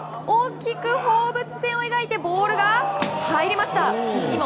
大きく放物線を描いてボールが入りました。